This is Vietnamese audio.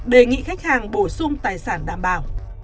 đề nghị khách hàng bổ sung tài sản đảm bảo